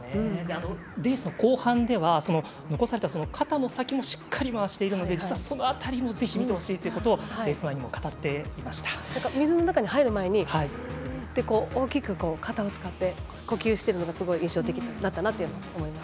レースの後半では残された肩の先もしっかり回しているのでその辺りも見てほしいと水の前に入る前に大きく肩を使って呼吸してたのがすごい印象的だったなと思います。